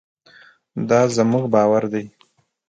دا زموږ باور دی.